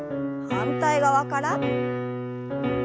反対側から。